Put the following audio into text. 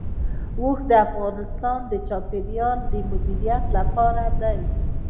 اوښ د افغانستان د چاپیریال د مدیریت لپاره دی.